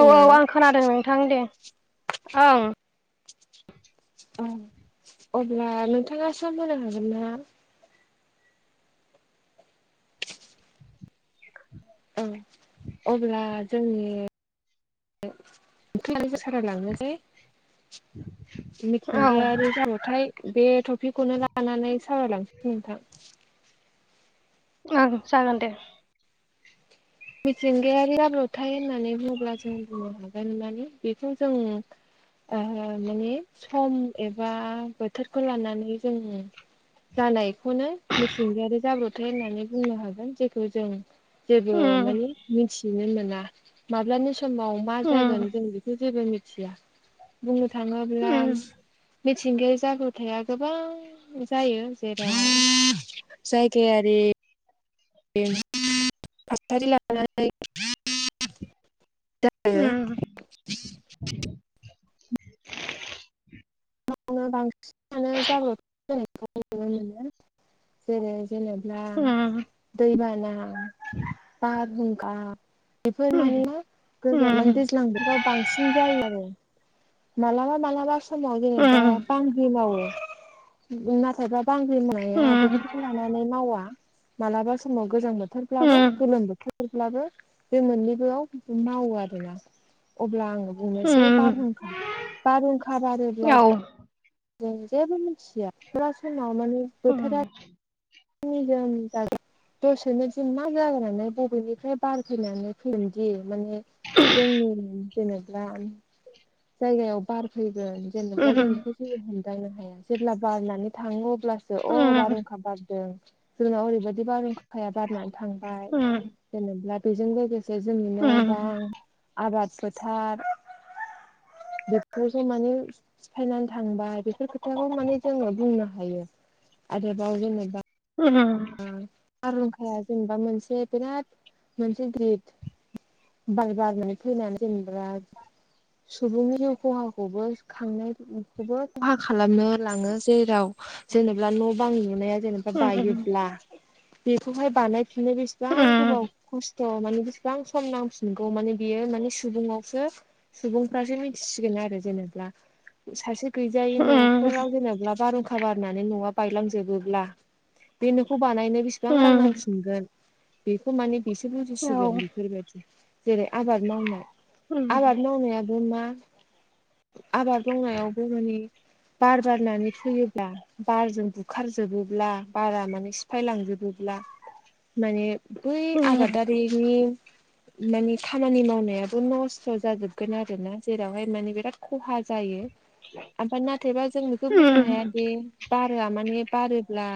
औ ना औ आं खोनादों नोंथां दे ओं ओं अब्ला नोंथाङा सम होनो हागोन ना? ओं अब्ला जोंनि [unintelligible] ओंखायनो जों सावराय लांनोसै औ ओं मिथिंगायारि जाबाथाय [unintelligible] बे टपिकखौनो लानानै सावरायलांसिगोन नोंथां ओं जागोन दे मिथिंगायारि जाब्रबथाय होननानै बुङोब्ला जों बुंनो हागोन माने बेखौ जों ओ ओ माने सम एबा बोथोरखौ लानानै जों जानायखौनो मिथिंगायारि जाब्रथाय होननानै बुंनो हागोन जेखौ जों जेबो उम माने मिथिनो मोना माब्लानि समाव मा उम जागोन जों बेखौ जेबो मिथिया बुंनो थाङोब्ला उम मिथिंगायारि जाब्रबथाया गोबां जायो जेरै जायगायारि थासारि लानानै [unintelligible] उम मावनो बांसिनानो जाब्रबथाय [unintelligible] जानायखौ नुनो मोनो जेरै जेनेबला उम दैबाना बारहुंखा बेफोर उम माने उम गोदोमोन दैज्लां बोथोराव [unintelligible] बांसिन जायो आरो मालाबा मालाबा समाव जेनेबा बांग्रिं मावो नाथायबा बांग्रिं मावनाया उम बोथोरनि लानानै मावा मालाबा समाव गोजां बोथोरबलाबो गोलोम बोथोर अबलाबो बे मोननैबोयाव मावो आरोना अब्ला आङो उम बुनोसै बारहुंखा बारहुंखा बारो औ जों जेबो मिथिया बोथोरा समाव माने उम बोथोरा निजोम जागोन। दसेनो जे मा जानानै बबेनिफ्राय बार फैनानै फैयोदि माने जोंनि जेनेबा जायगायाव बार फैगोन जेनेबा जों जेबो हमदांनो हाया जेब्ला बारनानै थाङो अब्लासो उम अ बारहुंखा बार जोंनाव ओरैबायदि बारहुंखाया बारनानै थांबाय जेनेबा बेजों लोगोसे जोंनि उम न' बां आबाद फोथार बेखौ जे माने सिफायनानै थांबाय बेफोर खोथाखौ माने जोङो बुंनो हायो आरोबाव जेनबा [unintelligible] बारहुंखाया जेनेबा मोनसे बिराद मोनसे गिदिर बार बारनानै फैनानै जेनेबा सुबुंनि जिउ खहाखौबो खांनायखौबो खहा खालामनो लाङो जेराव जेनेबा न' बां लुनाया जेनेबा उम उम औ उम बायो बेखौहाय बानायफिननो उम बेसेबां गोबाव उम खस्थ' थ' माने बेसेबां सम नांफिनगौ माने बेयो माने सुबुंनावसो सुबुंफ्रासो मिथिसिगोन आरो जेनेब्ला सासे गैजायि उम न'खराव जेनेबा बारहुंखा बारनानै न'आ बायलांजोबोब्ला बे न'खौ बानायनो बेसेबां रां नांफिनगोन बेखौ माने बेसो बुजिसिगोन बेफोरबायदि जेरै आबाद मावनाय आबाद मावनायाबो मा आबाद मावनायावबो माने बार बारनानै फैयोब्ला बारजों बुखारजोबोब्ला बारा माने सिफायलांजोबोब्ला माने बै आबादारिनि माने खामानि मावनायाबो नस्थ' जाजोबगोन आरोना जेरावहाय माने बिराद खहा जायो। आमफय नाथायबा जों बेखौ बुंनो हाया दि बारआ माने बारोब्ला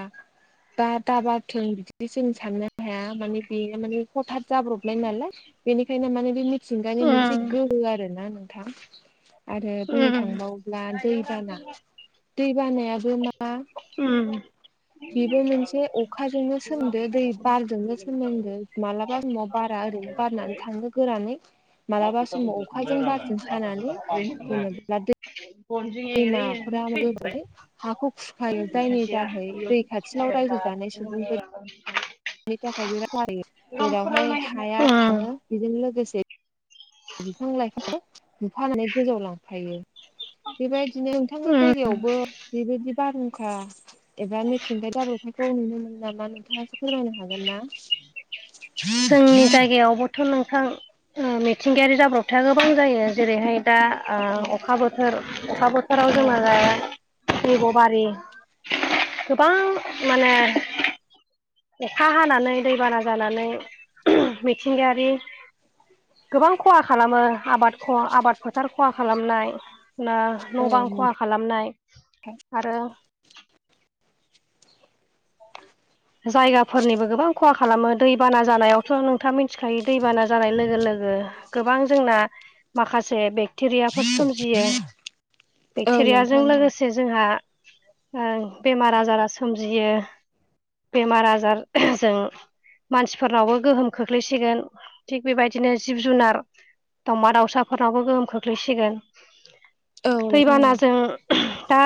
दा दाबारथों बिदि जों साननो हाया माने बेयो माने हथाद जाब्रबनाय नालाय। बेनिखायनो माने बे मिथिंगानि मोनसे गोहो आरो ना नोंथां। आरो बुंनो थांबाव्ला दैबाना दै बानायाबो मा उ बेबो मोनसे अखाजोंनो सोमदो दै बारजोंनो सोमनदो। मालाबा न'आव बारा ओरैनो गारनानै थांनो गोरानै मालाबा समाव अखाजों बारजों हानानै जेनेबा दै गनजों एरै एरैनो लोमनानै थैजोबबाय। हाखौ फुस सेया बो रायजो जाबायबा जानाय सुबुंफोरनि [unintelligible] थाखाय बिराद बारायो जेरावहाय हाया उम थाङो बेजों लोगोसे बिफां लाइफांखौ बुफानानै गोजाव लांफायो बेबायदिनो नोंथांनि उम जायगायावबो बेबायदि बारहुंखा एबा मिथिंगा जाब्रथायखौ नुनो मोनो नामा नोंथाङा फोरमायनो हागोन ना? जोंनि जायगायावबोथ' नोंथां ओ मिथिंगायारि जाब्रबथाया गोबां जायो जेरैहाय दा ओ अखा बोथोर अखा बोथोराव जोंहा औ जाया दैब' बारि गोबां माने अखा हानानै दैबाना जानानै मिथिंगायारि गोबां खहा खालामो आबाद ख आबाद फोथार खहा खालामनाय ना न'-बां खहा खालामनाय आरो जायगाफोरनिबो गोबां खहा खालामो दैबाना जानायावथ' नोंथाङा मिथिखायो दैबाना जानाय लोगो लोगो गोबां जोंना माखासे बे क्टेरियाफोर सोमजियो। औ बेक्टेरियाजों नोंथां लोगोसे जोंहा ओ बेमार आजारा सोमजियो बेमार आजार जों मानसिफोरनावबो गोहोम खोख्लैसिगोन थिग बेबायदिनो जिब जुनार दावउमा दाउसाफोरनावबो गोहोम खोख्लैसिगोन औ नोंथां औ नोंथां दैबानाजों दा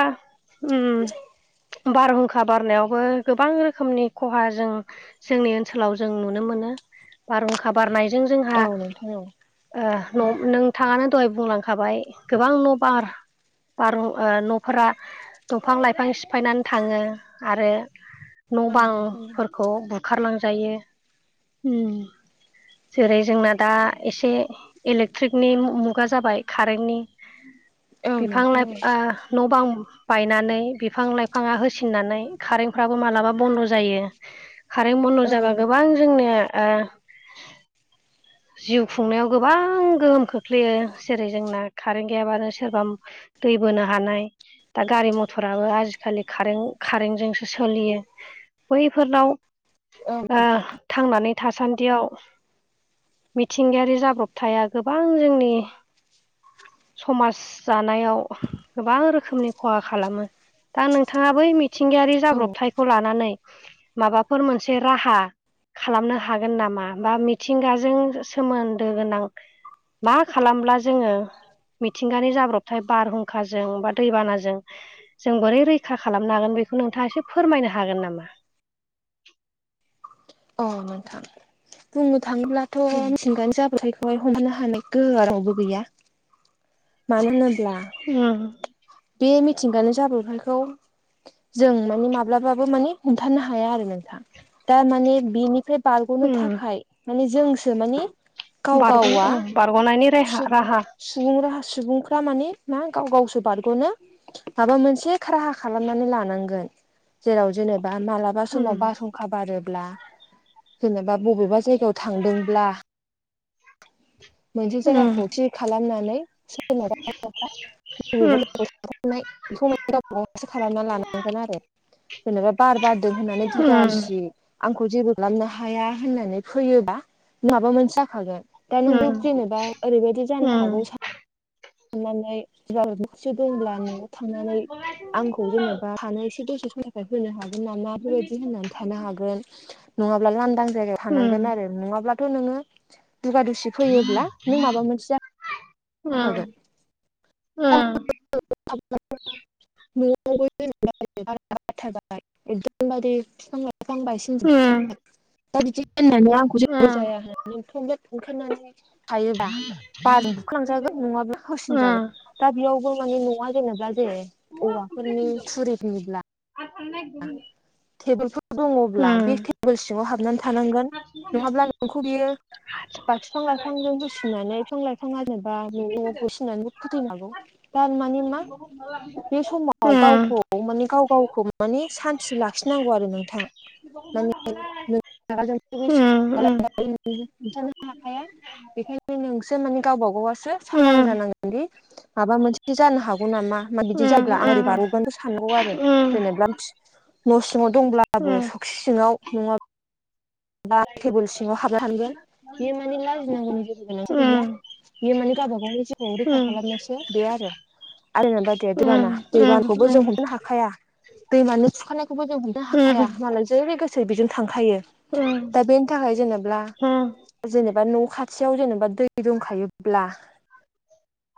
ओम बारहुंखा बारनायावबो गोबां रो रोखोमनि खहा जों जोंनि ओनसोलाव जों नुनो मोनो बारहुंखा बारनायजों जोंहा औ नोंथां ओह न नोंथाङानो दहाय बुंलांखाबाय गोबां न' बार बारहुं ओ न'फोरा दंफां लाइफां सिफायनानै थाङो आरो न' औ बांफोरखौ बुखारलांजायो उ जेरै जोंना दा एसे इलेक्ट्रिकनि मुगा जाबाय कारेन्टनि औ बिफां नोंथां लाइफ ओ न' बां बायनानै बिफां लाइफाङा होसिननानै खारेन्टफ्राबो मालाबा बन्द' जायो कारेन्ट बन्द' औ जाबा गोबां जोंनो ओ [inaudible] जिउ खुंनायाव गोबां गोहोम खोख्लैयो जेरै जोंना कारेन्ट गैयाबानो सोरबा दै बोनो हानाय। दा गारि मथराबो आजिखालि कारें कारेंजोंसो सलियो बैफोरनाव औ ओह थांनानै थासान्दियाव मिथिंगायारि जाब्रबथाया गोबां जोंनि समाज जानायाव गोबां रोखोमनि खहा खालामो। दा नोंथाङा बै मिथिंगायारि औ जाब्रबथाय नै माबाफोर मोनसे राहा खालामनो हागोन नामा बा मिथिंगाजों सोमोन्दो गोनां मा खालामब्ला जोङो मिथिंगानि जाब्रबथाय बारहुंखाजों बा दैबानाजों। जों बोरै रैखा खालामनो हागोन बेखौ नोंथाङा एसे फोरमायनो हागोन नामा? अ नोंथां बुंनो थाङोब्लाथ' मिथिंगानि जाब्रबथाइख खौहाय हमनो हानाय गोहोआ रावबो गैया। मानो होनोब्ला उम बे मिथिंगानि जाब्रबथाइखौ। जों माने माब्लाबाबो माने हमथानो हाया आरो नोंथां दा माने बेनिफ्राय बारग'नो उम थाखाय माने जोंसो माने गाव बारग' गावा बारग'नायनि रे राहा सुबुं राहा सुबुंफ्रा मानि मा गाव गावसो बारग'नो माबा मोनसे राहा खालामनानै लानांगोन जेराव जेनेबा माला बा उम समाव बासहुंखा बारोब्ला जेनेबा बबेबा जायगायाव थांदोंब्ला। मोनसे उम जायगाखौ थि खालामनानै सोरनावबा उम सोरनावबा माबा खामनाय बेखौ माने गावबा गावासो खालामना लानांगोन आरो। जेनेबा बार बारदों होननानै दुगा दुसि आंखौ जेबो खालामनो हाया होननानै फैयोबा माबा मोनसे जाखागोन। दानि जुग जेनेबा ओरैबायादि जानो हागौ सान नानै सोरनावबासो दंब्ला न'आव थांनानै आंखौ जेनेब बा थानो दसे समो हागोन नामा बेबाय होननानै थानो हागोन नङाब्ला लांदां। जायगायाव थांगोन आरो नङाबथ' नोङो दुगा दुसि फैयोब्ला नों माबा मोनसे जा खागोन [unintelligible] न'आवबो जेनेब बारथारबाय एकदमबारे बिफां लाइफां बायस सिन जोबथारबाय दा बिदि होननानै आंखौ जेबो जाया होननानै थंब्लेद ओंखारनानै थायोबा बारजों बुखालांजागोन नङाब्ला होसिनजागोन। दा बेयावबो माने न'आ जेनेबा जेरै औवाफोरनि थुरिनिब्ला माहा थांनो नागिर टेबोलफोर दङब्ला बे टेबोल सिङाव हाबनानै थानांगोन नङाब्ला। नोंखौ बियो बा बिफां लाइफांजों बुसिननानै बिफां लाइफाङा जेनेबा न' न'आव होसिनानैबो फोथैनो हागौ। थारमाने मा बे समाव गावखौ माने गाव गावखौ। माने सान्ति लाखिनांगौ आरो नोंथां। माने रागा जोंनो गोसो। [unintelligible] हम्थानो हाखाया बेखायनो नोंसो माने गावबा गावा सो सांग्रां जानांगोनदि माबा मोनसे जानो हागौ नामा मा बिदि जायोब्ला आं रै बारगोनथ सानगौ आरो। जेनेबा न' सिङाव दंब्लाबो सखि सिङाव नङा। बा टेबोल सिङाव हाबनो हानांगोन बेयो माने लाजिनांगौनि जेबो गोनांथि' गैया। बेयो माने गावबाागावनि जिउखौ रैखा खालामनायसो बे आरो। आरो न बा दे दैबाना दैबानखौबो जों हमनो हाखाया। दैमानि खुरखानायखौबो जों हमनो हाखाया मालाय जेरै गोसो। बेजों थांखायो दा बेनि थाखाय जेनेब्ला जेनेबा न' खाथियाव जेनेबा दै दंखायोब्ला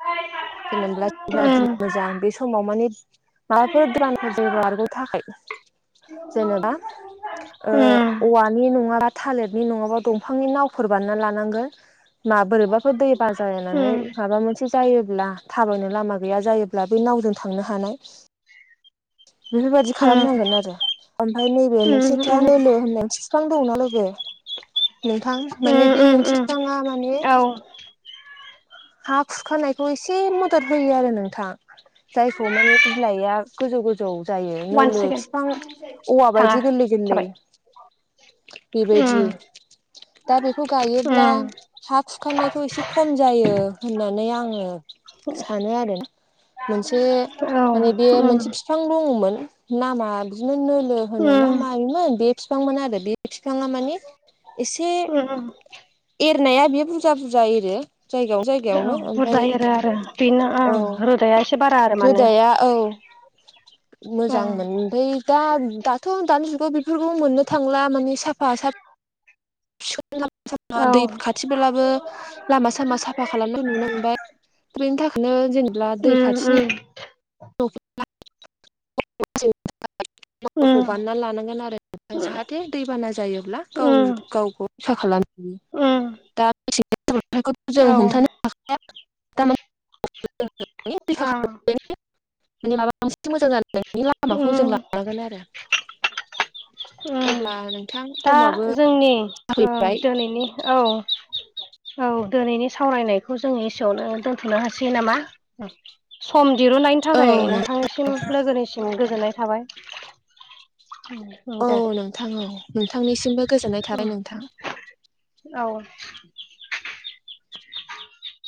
[inaudible] [unintelligible] समाव माने माबाफोर द्रानफोर जायोबा बारगनो थाखाय जेनेबा। ओ औवानि नङाबा थालिरनि नङाबा दंफांनि नावफोर बानायना लानांगोन। माबोरैबाफोर दै बाजायनानै माबा मोनसे जायोब्ला। थाबायनो लामा गैया जायोब्ला बे नावजों थांनो हानाय। बेफोरबायदि खालामनांगोन आरो। ओमफाय नैबे मोनसे थाया दोलो होननानै फिफां दंना लोगो। नोंथां माने बे मोनसे बिफाङा माने। औ हा खुरखानायखौ एसे मदद होयो आरो नोंथां जायखौ माने बिलाइआ। गोजौ गोजौ जायो वान नोलो सेकेन्ड फिफां औवा थाङा बायदि गोरलै गोरलै। जाबाय बेबायदि उम दा बेखौ गायोब्ला उम हा खुखानायखौ एसे खम जायो होननानै आङो सानो आरो। मोनसे औ माने बे उम मोनसे बिफां दङमोन नामा बिदिनो होनो ना उम मायोमोन बे बिफांमोन आरो बे बिफाङा माने एसे उम एरनाया बेयो बुरजा बुरजा एरो जायगायावनो जायगा औ बुरजारो आरो बेनो औ रोदाया बारा आरो माने रोदाया औ। औ मोजांमोन ओमफ्राय दा दाथ' दानि जुगाव बेफोरखौ मोननो थांला मानि साफा सफ बिखां औ दै खाथिलाबो लामा सामा साफा खालामनाय नुनो मोनबाय बेनि थाखायनो जेनेबा दै उम खाथिनि उम उम बानना लानांगोन आरो। फ्राय जाहाथे दैबाना जायोब्ला गाव उम गावखौ रैखा खालामनो हायो। उम खौथ' औ जों हमथानो हाखाया थारमाने ओं खालाम मे माबा बांसिन मोजां जानो नोंनि लामाखौ जों उम लालांगोन आरो। अब्ला नोंथां दा समाबो जोंनि जाफैबाय दिनैनि औ। औ दिनैनि सावरायनायखौ जोङो इसेयावनो दोनथ'नो हासै नामा? सम दहुननायनि औ थाखाय नों नोंथांनिसिम लोगोनिसिम गोजोननाय थाबाय। उम औ दे नोंथां औ नोंथांनिसिमबो गोजोननाय उम थाबाय नोंथां। औ